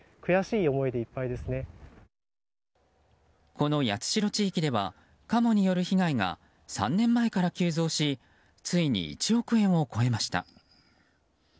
この八代地域ではカモによる被害が３年前から急増しついに１億円を超えました。